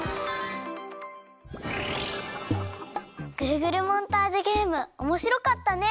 ぐるぐるモンタージュゲームおもしろかったね。